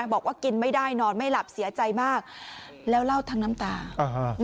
บอกว่ากินไม่ได้นอนไม่หลับเสียใจมากแล้วเล่าทั้งน้ำตาอ่าฮะ